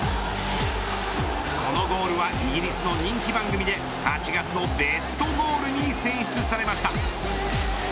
このゴールはイギリスの人気番組で８月のベストゴールに選出されました。